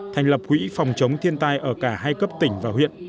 thành lập quỹ phòng chống thiên tai ở cả hai cấp tỉnh và huyện